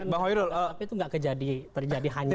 tapi itu tidak terjadi hanya di zaman yang lalu